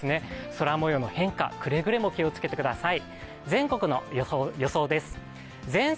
空もようの変化、くれぐれも気をつけてください。